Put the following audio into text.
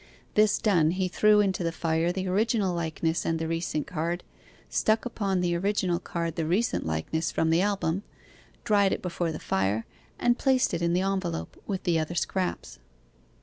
This done, he threw into the fire the original likeness and the recent card, stuck upon the original card the recent likeness from the album, dried it before the fire, and placed it in the envelope with the other scraps.